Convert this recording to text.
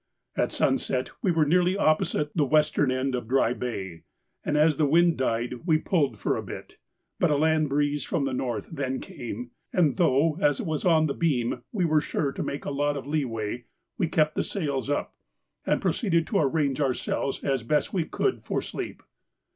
At sunset we were nearly opposite the western end of Dry Bay, and as the wind died we pulled for a bit, but a land breeze from the north then came, and though, as it was on the beam, we were sure to make a lot of leeway, we kept the sails up, and proceeded to arrange ourselves as best we could for sleep.